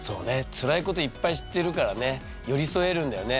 辛いこといっぱい知ってるからね寄り添えるんだよね